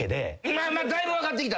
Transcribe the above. まあまあだいぶ分かってきた。